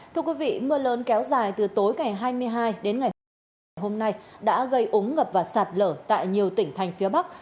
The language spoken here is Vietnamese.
thưa quý vị mưa lớn kéo dài từ tối ngày hai mươi hai đến ngày ba ngày hôm nay đã gây ống ngập và sạt lở tại nhiều tỉnh thành phía bắc